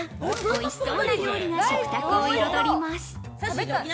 美味しそうな料理が食卓を彩ります。